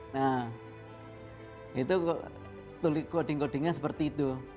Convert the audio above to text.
nah itu coding codingnya seperti itu